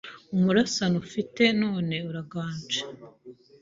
Umurasano ufite none uraganje